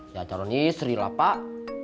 ya calon istri lah pak